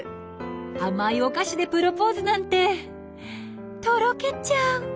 甘いお菓子でプロポーズなんてとろけちゃう！